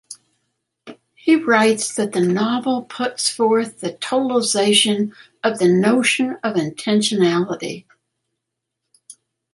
He writes that the novel puts forth the "totalization of the notion of intentionality".